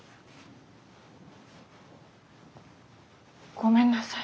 ごめんなさい。